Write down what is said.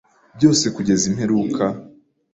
byose kugeza imperuka